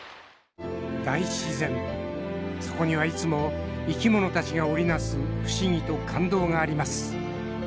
「大自然そこにはいつも生きものたちが織り成す不思議と感動があります」。